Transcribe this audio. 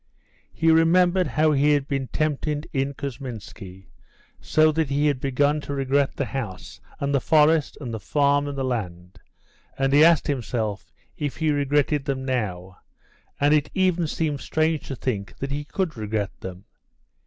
He remembered how he had been tempted in Kousminski, so that he had begun to regret the house and the forest and the farm and the land, and he asked himself if he regretted them now, and it even seemed strange to think that he could regret them.